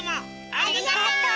ありがとう！